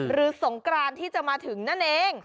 สงกรานที่จะมาถึงนั่นเอง